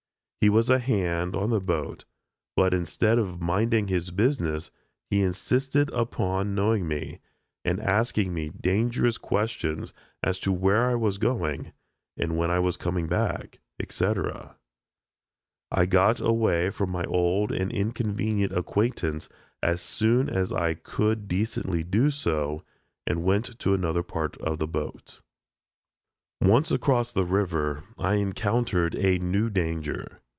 He was a "hand" on the boat, but instead of minding his business, he insisted upon knowing me, and asking me dangerous questions as to where I was going, and when I was coming back, etc. I got away from my old and inconvenient acquaintance as soon as I could decently do so, and went to another part of the boat. Once across the river I encountered a new danger.